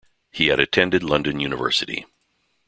He had attended London University.